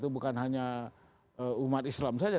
bukan hanya umat islam saja